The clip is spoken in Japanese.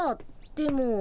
でも。